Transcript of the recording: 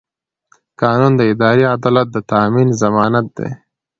قانون د اداري عدالت د تامین ضمانت دی.